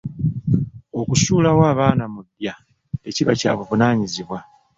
Okusuulawo abaana mu ddya tekiba kya buvunaanyizibwa